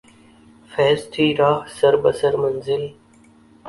فیضؔ تھی راہ سر بسر منزل